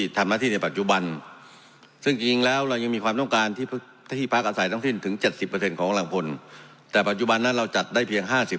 ของกลางคนแต่ปัจจุบันนั้นเราจัดได้เพียงห้าสิบ